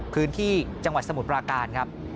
พื้นที่จังหวัดสมุทรปราการครับ